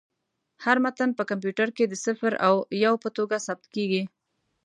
هر متن په کمپیوټر کې د صفر او یو په توګه ثبت کېږي.